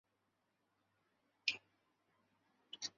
固始汗的哥哥。